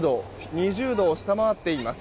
２０度を下回っています。